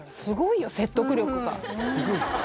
すごいですか？